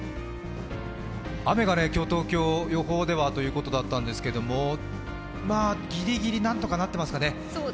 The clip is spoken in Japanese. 雨が今日、東京、予報ではということだったんですけども、まあ、ぎりぎり何とかなってますかね。